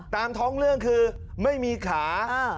ตามท้องเรื่องคือไม่มีขา